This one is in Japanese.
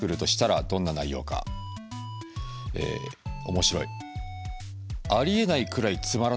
面白い。